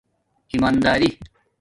ایماندری